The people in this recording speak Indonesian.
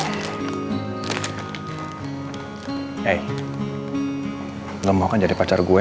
hey lo mau kan jadi pacar gue